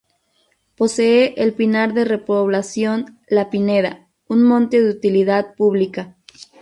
Posee el pinar de repoblación La Pineda, un monte de utilidad pública.